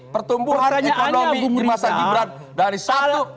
pertumbuhan ekonomi masa gibran dari satu